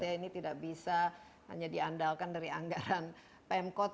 ini tidak bisa hanya diandalkan dari anggaran pemkot